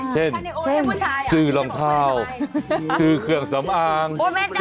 เช่นซื้อรองเท้าซื้อเครื่องสำอาง